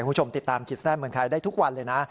คุณผู้ชมติดตามขีดเส้นใต้เมืองไทยได้ทุกวันเลยนะ